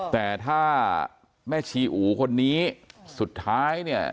แต่ถ้าแม่ชีอู๋คนนี้สุดท้ายเนี่ย